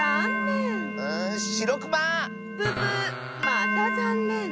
またざんねん。